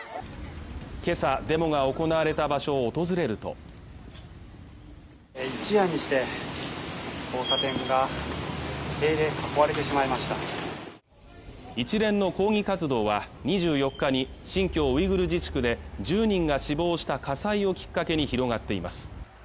今朝デモが行われた場所を訪れると一夜にして交差点が塀で囲われてしまいました一連の抗議活動は２４日に新疆ウイグル自治区で１０人が死亡した火災をきっかけに広がっています